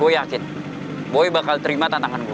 gue yakin boy bakal terima tantangan gue